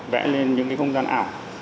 vẽ lên những không gian ảo